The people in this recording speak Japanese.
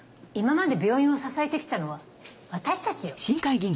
今まで病院を支えてきたのは私たちよ。